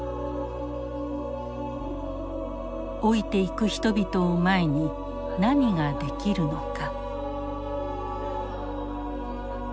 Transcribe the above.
老いていく人々を前に何ができるのか。